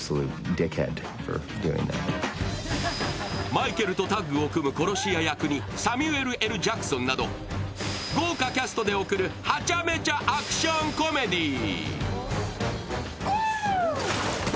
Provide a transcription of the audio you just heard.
マイケルとタッグを組む殺し屋役にサミュエル・Ｌ・ジャクソンなど豪華キャストで贈るハチャメチャアクションコメディー。